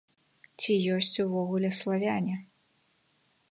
Ці ёсць увогуле славяне?